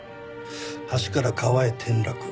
橋から川へ転落。